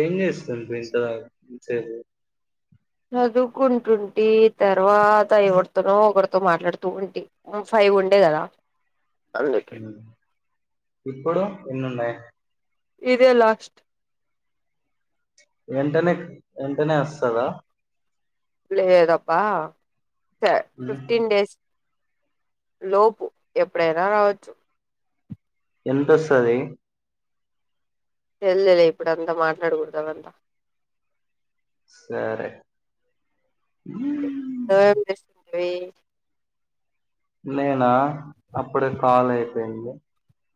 ఏం చేస్తుండ్రి ఇంత దాక్ ఇంత సే చదువుకుంటుంటే తర్వాత ఎవడుతోనో వడితో మాట్లాడుతూ ఉంటి ఫైవ్ ఉండే కదా అ ఇప్పుడు ఎన్నున్నాయి ఇదే లాస్ట్ వెంటనే వెంటనే వస్తదా లేదప్ప స ఫిఫ్టీన్ డేస్ లోపు ఎప్పుడైనా రావచ్చు ఎంత వస్తది తెల్లేలే ఇప్పుడంతా మాట్లాడకూడదు అదంతా సరే రీ నేనా అప్పుడే కాల్ అయిపోయింది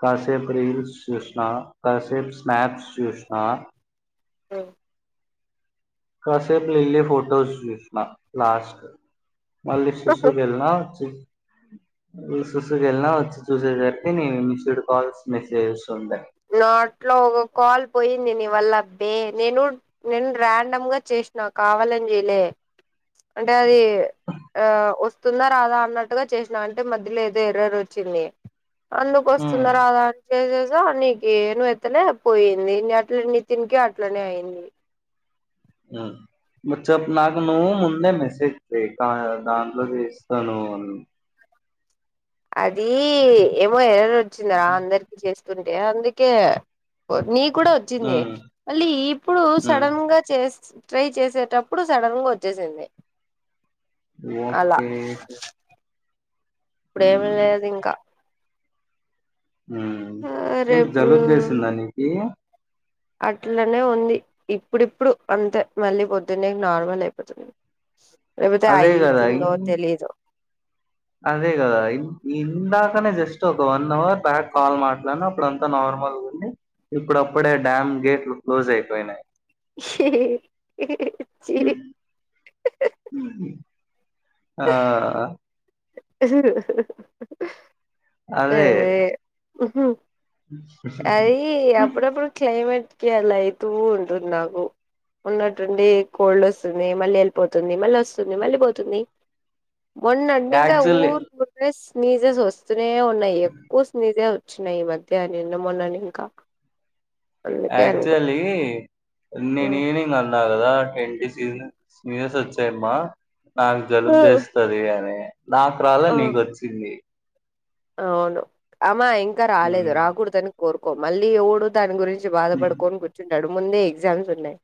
కాసెప్ రీల్స్ చూసినా కాసేపు స్నాప్స్ చూసిన అ కాసేపు లిల్లీ ఫోటోస్ చూసిన లాస్ట్ మల్లి శుశూ కెళ్ళిన సుసుకి వెళ్ళినా వచ్చి చూసేసరికి నీవి మిస్డ్ కాల్స్ మెసేజెస్ ఉండ నాట్లో ఒక కాల్ పోయింది నీవల్ల దే నేను నేను ర్యాండమ్ గా చే క నా కావాలని చెయలే అంటే అది ఆ వస్తుందా రాదా అన్నట్టుగా చేసిన అంటే మధ్యలో ఏదో ఎర్రరు వచ్చింది అందుకు వస్తుంద ఉమ్. రాదా అని చేసేసా నీ ఏను ఎత్తనే పోయింది అట్ల నితిన్ కి అట్లనే అయింది ఆ చెప్పు నాకు నువ్వు ముందే మెసేజ్ చే దాంట్లో చే ఇస్తాను అని అది ఏమో ఎరరు వచ్చిందరా అందరికి చేస్తుంటే అందుకే నీ కూడా వచ్చింది ఉమ్, మళ్ళీ ఇప్పుడు ఉమ్. సడన్ గా చేస్ ట్రై చేసేటప్పుడు సడన్ గా వచ్చేసింది ఓకే ఇప్పుడేమి ఉమ్, లేదు ఇంకా ఉ ఏం రేపు జలుబు చేసిందా నీకి అట్లనే ఉంది ఇప్పుడిప్పుడు అంతే మళ్ళీ పొద్దునే నార్మల్ అయిపోతుంది లేకపోతే అదే కదా అయితుందో ఇన్- తెలీదు అదే కదా ఇందాకనే జస్ట్ ఒక వన్ అవర్ బ్యాక్ కాల్ మాట్లాను అప్పుడు అంతా నార్ నార్మల్ గుండే ఇప్పుడప్పుడే డ్యామ్ గేట్లు క్లోజ్ అయిపోయినాయి చీ ఆ బా అదే ఉహు అది అప్పుడప్పుడు క్లైమేట్ కి అలా అవుతూ ఉంటుంది నాకు ఉన్నట్టుండి కోల్డ్ వస్తుంది మళ్ళీ వెళ్ళిపోతుంది మళ్ళీ వస్తుంది మళ్ళీ పోతుంది మొన్నండి ఇంకా యాక్చువల్లీ ఊరు కూ స్నీజస్ వస్తూనే ఉన్నాయి ఎక్కువ స్నీజ వచ్చినాయి ఈ మధ్య నిన్న మొన్నాను ఇంకా అందుకే అనుకో ఆక్చువలీ నేను ఉమ్. ఈవినింగ్ అన్నా కదా ట్వంటీ సీ సీజర్స్ వచ్చాయమ్మా నాకు ఆ! జలుబ చేస్తది అని నాకు రాల ఆ! నీకుచ్చింది అవును అమ్మా ఇంకా రాలేదు హ్మ్ రాకూడదని కోరుకో మళ్ళీ ఎవడు దని గురించి బాధపడుకని కూర్చుంటాడు ముందే ఎగ్జామ్స్ ఉన్నాయి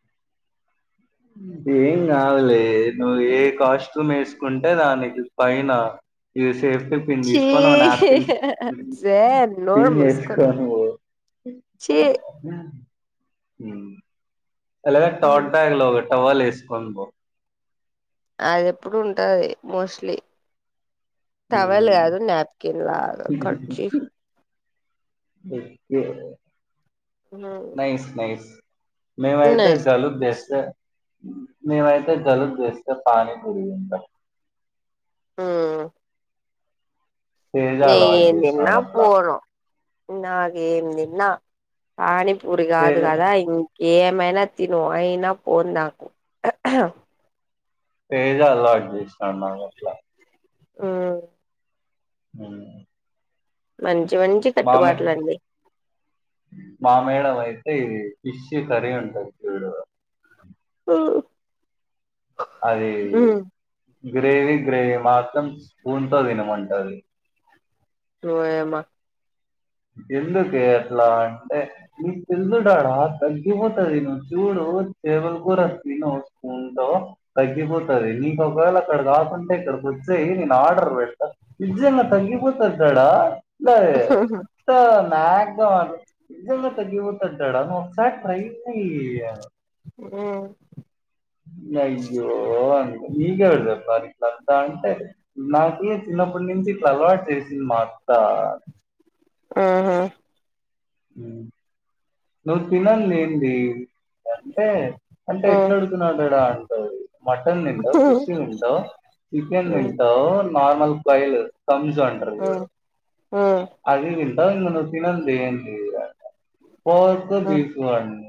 ఊ ఏం కాదులే నువ్వు ఏ కాస్ట్యూమ్ వేసుకుంటే దానికి పైన యస్ సేఫ్టీ పిన్ చీ తీసుకోను నాపిల్ జే నోరు పిన్ మూసుకొని చేసుకోని పొ [unintelligible] చీ ఆ ఊ ఎల ఏత్తవంటే ఇలాగ ఒక టవల్ వేసుకని పో అది ఎప్పుడు ఉంటది మోస్ట్లీ టవల్ హ్మ్ కాదు నాప్కిన్ కాదు కర్చిఫ్ ఓకే నైస్ నైస్ మేమాయితే నైస్ జలుబు జెస్తె మేమైతే జలుబు చేస్తే పానీపూరి తింటాం ఊ తేజ అలవాటు ఏం తిన్న చేసినాడు అట్లా పోదు నాకేం తిన్నా పానీపూరి తేజ కాదు కదా ఇం ఏమైనా తిను అయినా పోదు నాకు ఏదో అలా అడ్జెస్ట్ అన్నవ్ అట్లా ఊ ఊ మంచి మంచి కట్టుబాట్లండి మా మేడం అయితే ఇది ఫిష్ సరీ ఉంటది చూడు ఆ అదీ గ్రేవీ గ్రేవీ మాత్రం స్పూన్ తో తినమంటది ఓయమ్మ ఎందుకే అట్లా అంటే నీకు తెలీదు డాడా తగ్గిపోతది నువ్వు చూడు స్పూన్ టేబుల్ కూడా తిను స్పూన్ తో తగ్గిపోతది నీకు ఒకవేళ అక్కడ కాకుంటే ఇక్కడ కొచ్చయ్ నన్ ఆర్డర్ వెడ్త విజంగా తగిపోతది దాడా దే ఇంత నాగ్ గా మాట్లాడ్ నిజం గా తగిపోతది డడ ఒకసారి ట్రై చెయ్ ఉమ్ ఉహు అయ్యో అని నీకు ఎవరు చెప్పాలి ట్లాంటంటే అంటే నాకి చిన్నప్పటి నుంచి ఇట్ల అలవాటు చేసింది మా అత్త ఊహు ఊ నువ్ తినంది ఏంది అంటే అంటే ఉమ్ ఎట్లా అడుగుతున్నావ్ డ డా అంటది మటన్ దింటావ్ ఫిష్ దింటావ్ చికెన్ దింటావ్ నర్మల్ ప్రైజ్ తంజ్ అంటరు ఉమ్ చూడు అది తిన్ నువ్ తినంది ఏంటి ఫోర్ కు బీచ్ [unintelligible]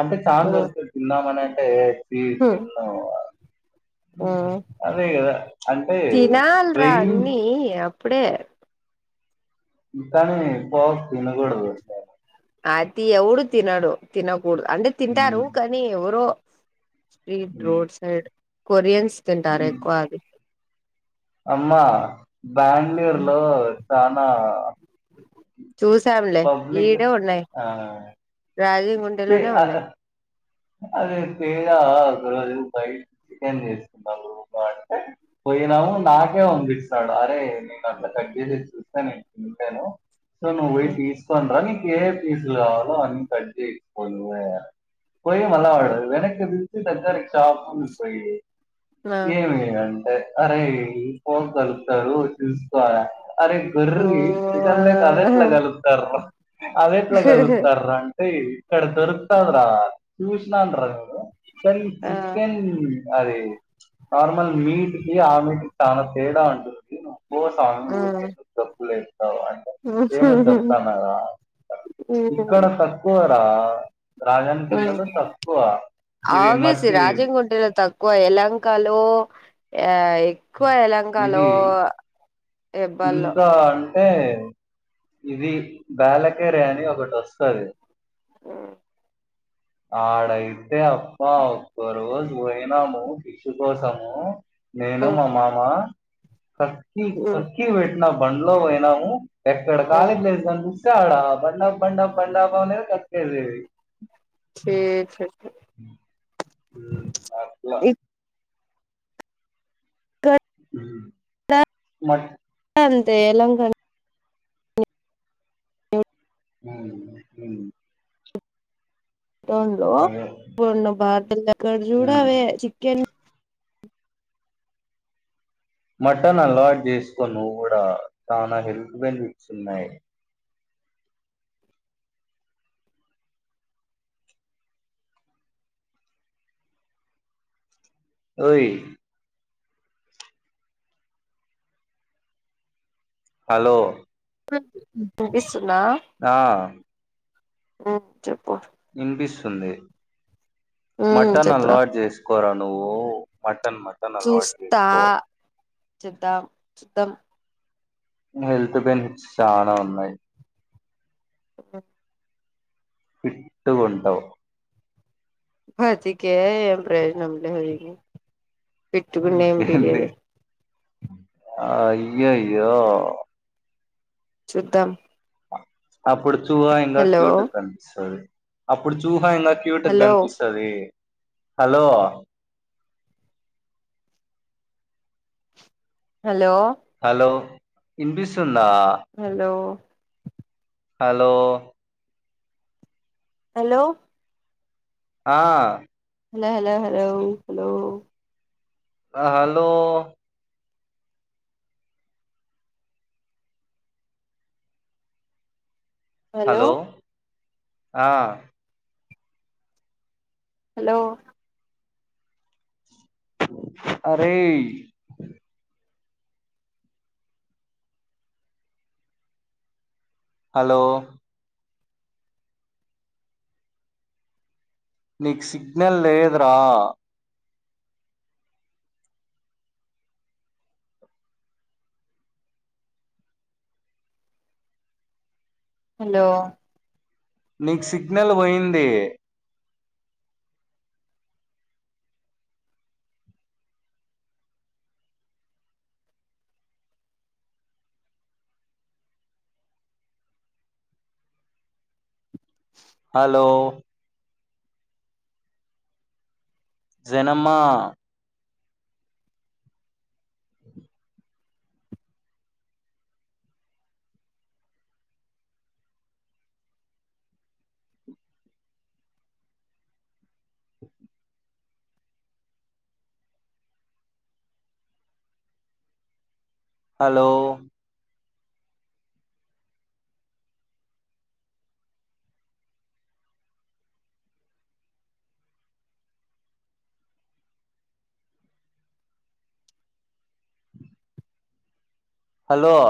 అంటే చానా దొరుకుతది తిందామని అంటే ఏట్ బీచ్ తినను అదే కదా అంటే తినాల్రా రెయిన్ అన్నీ అప్పుడే దానీ పోచ్ తినకూడదు [unintelligible] అతి ఎవడు తినడు తినకూడదు అంటే హ్మ్ తింటారు కానీ ఎవరో స్ట్రీట్ హ్మ్ రోడ్ సైడ్ కొరియన్స్ తింటారు హ్మ్ ఎక్కువది అమ్మా దండేరులో చానా చూసామ్లె పబ్లిక్ ఈడే ఉన్నాయ్ ఆ రాజీ పే గుండెలోనే అ ఉన్నాయ్ అదే ఫిగా ఒక రోజు ఫై చికెన్ చేసుకుంటారు ఫ అంటే పోయినాము నాకే పంపిస్తాడు అరే నేను అట్లా దగ్గర నుంచి చూస్తే నేను [unintelligible] సో నువొయ్యి తీసుకొని రా నీక్ ఏ ఏ పీస్లు కావాలో అన్ని కట్ చేయించుకోవాలి నువ్వే పోయ్యి మళ్ల వెనకెందుకు తీస్ దగ్గరకి షాపూకొనికి ఆ ఏమి అన్ అరే ఫోన్ కలుపుతారు చూసుకోరా అరే గొర్రి చికెన్ లోకి అదేట్ల కలపుతార్రా అదెట్ల కలుపుతార్రా ఏయ్ ఇక్కడ దొరుకుతదిరా చూసిన రా రు కానీ చికెన్ అది నార్మల్ మీట్కి ఆ మీట్కీ చాలా తేడా ఉంటుంది తిను పో స్వామి ఊరికే ఎందుకు గబ్బు లేప్ సో అంటే ఏమో చెప్తాన్నార ఇక్కడ తక్కువరా రాజాన్ కుంటలో ఆఫీస్ రాజేన్ గుంటలో తక్ క్కువ ఎలంక లో యాయ్ ఎక్కువ ఎలంకాలో ఇది హెబ్బల్లో ఇంకా అంటే ఇది బ్యాల్లకేరి అని ఒకటి వొస్తది ఉ [inaudible] ఆడైతే అప్పవ్ ఒక్క రోజు పోయినము ఫిష్ కోసము నేన్ నేను మా మామ కక్కి కక్కి పెట్టిన్యా బండ్లో పోయినాము ఎక్కడ కాలీ ప్లేస్ కనిపిస్తే ఆడ బండాప్ బండాప్ బండాప్ అనేది కక్కేది చే చే అట్లా ఇక్కడ ఉ నక్ అంతే ఎలంకలో అవ్నా హు టోన్లో మొన్న బాటిల్ లెక్క ఉమ్. చూడవే చికెన్ మటన్ అలవాటు చేసుకో నువ్వు కూడా చాలా హెల్త్ బెనిఫిట్స్ ఉన్నాయ్. ఓయ్ హలో [unintelligible] ఆ ఆ చెప్పు వినిపిస్తుంది ఉమ్ మటన్ చెప్పురా అలవాటు చేసుకోరా నువ్వు పట్ మటన్ మటన్ అలవాటు చూస్తా చేసుకో చూద్దాం చూద్దాం హెల్త్ బెనిఫిట్స్ చాలా ఉన్నాయ్ [inaudible] ఫిట్ గుంటవ్ బతికే ఎమ్ ప్రయోజనం లే హరిణి ఫిట్ గుండి ఎమ్ ఏంది పికేది అయ్యయ్యో చూద్దాం అప్పుడు చూహ ఎంత హలో క్యూట్ కనిపిస్తది అప్పుడు చూహ ఇంగ్ క్యూట్ హలో కనిపిస్తది హలో హలో హలో ఇన్పిస్తుందా హలో హలో హలో ఆ hello hello hello hello hello hello ఆ హలో అరే హలో నీకు సిగ్నల్ లేదురా హలో నీకు సిగ్నల్ పోయింది హలో జనమ్మ స హలో హలో